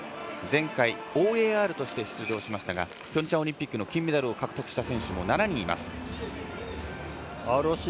前回ＯＡＲとして出場しましたがピョンチャンオリンピックの金メダルを獲得した選手も７人います。